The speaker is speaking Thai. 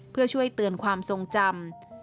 เพื่อช่วยเตือนความทรงจำ